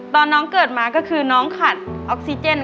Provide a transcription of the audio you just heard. ตอนน้องเกิดมาก็คือน้องขาดออกซิเจน